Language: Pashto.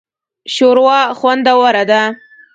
شوروا خوندوره ده